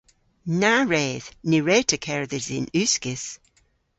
Na wredh! Ny wre'ta kerdhes yn uskis.